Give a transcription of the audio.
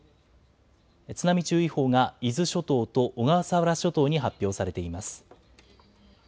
津波注意報が、伊豆諸島と小笠原諸島に発表されています。